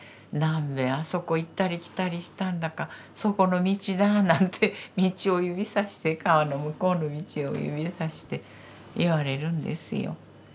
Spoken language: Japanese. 何べんあそこ行ったり来たりしたんだかそこの道だなんて道を指さして川の向こうの道を指さして言われるんですよ。